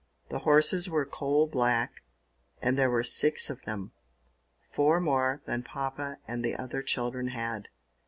The horses were coal black, and there were six of them, four more than Papa and the other children had.